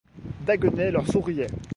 Daguenet leur souriait.